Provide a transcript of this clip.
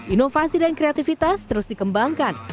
inovasi dan kreativitas terus dikembangkan